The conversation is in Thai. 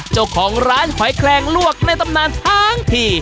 เจ้าของร้านหอยแคลงลวกในตำนานทั้งที